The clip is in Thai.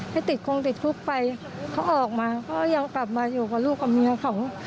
ให้ติดคงติดคุกไปเขาออกมาเขายังกลับมาอยู่กับลูกกับเมียเขา